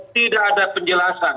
tidak ada penjelasan